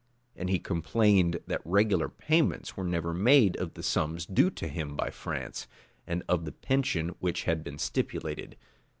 And he complained that regular payments were never made of the sums due to him by France, and of the pension which had been stipulated.